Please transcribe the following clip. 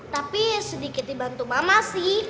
tapi sedikit dibantu mama sih